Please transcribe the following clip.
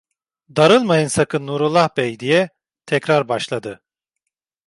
"Darılmayın sakın Nurullah bey" diye tekrar başladı.